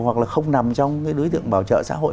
hoặc là không nằm trong cái đối tượng bảo trợ xã hội